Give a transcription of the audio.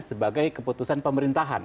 sebagai keputusan pemerintahan